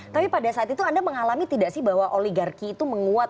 tapi pada saat itu anda mengalami tidak sih bahwa oligarki itu menguat